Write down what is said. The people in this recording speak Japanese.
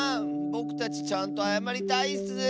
ぼくたちちゃんとあやまりたいッス！